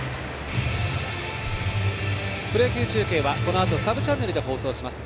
プロ野球中継は、このあとサブチャンネルで放送します。